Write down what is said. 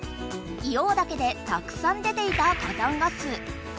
硫黄岳でたくさん出ていた火山ガス。